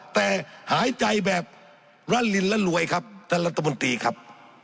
แต่หายใจแบบรั่นลินและรวยครับท่านรัฐมนตรีครับ